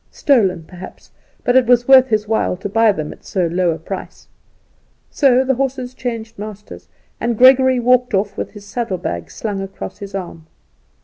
Stolen perhaps; but it was worth his while to buy them at so low a price. So the horses changed masters, and Gregory walked off with his saddlebags slung across his arm.